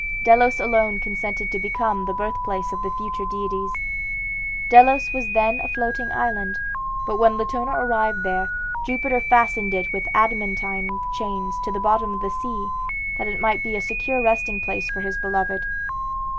Delos alone consented to become the birthplace of the future deities. Delos was then a floating island; but when Latona arrived there, Jupiter fastened it with adamantine chains to the bottom of the sea, that it might be a secure resting place for his beloved.